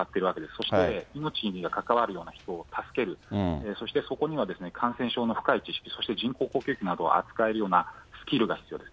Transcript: そして命に関わるような人を助ける、そしてそこには感染症の深い知識、そして人工呼吸器などを扱えるようなスキルが必要です。